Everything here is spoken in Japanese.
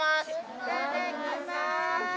いただきます。